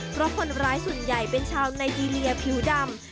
เพราะคนร้ายส่วนใหญ่เป็นชาวไนทีเรียผิวดำ